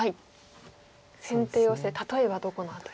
先手ヨセ例えばどこの辺りでしょう？